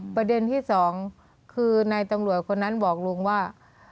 ประเด็นที่สองคือนายตำรวจคนนั้นบอกลุงว่า